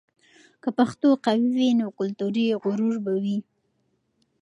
که پښتو قوي وي، نو کلتوري غرور به وي.